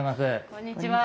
こんにちは。